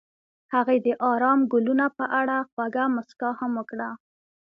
هغې د آرام ګلونه په اړه خوږه موسکا هم وکړه.